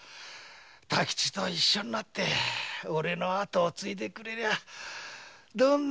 太吉と一緒になっておれの跡を継いでくれりゃどんなにうれしいか。